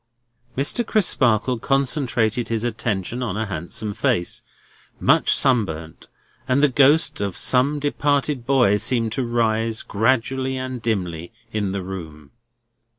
Mr. Crisparkle concentrated his attention on a handsome face, much sunburnt; and the ghost of some departed boy seemed to rise, gradually and dimly, in the room.